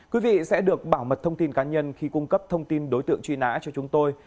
quý vị sẽ được bảo mật thông tin cá nhân khi cung cấp thông tin đối tượng truy nã cho chúng tôi